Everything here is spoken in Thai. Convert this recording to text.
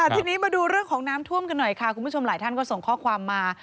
ทีนี้มาดูเรื่องของน้ำท่วมกันหน่อยค่ะคุณผู้ชมหลายท่านก็ส่งข้อความมา